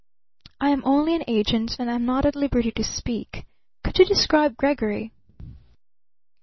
"I am only an agent, and am not at liberty to speak. Could you describe Gregory?"